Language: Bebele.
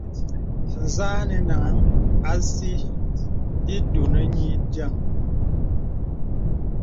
Zà ànə nāŋhàŋ àsī itūn nï dīəm.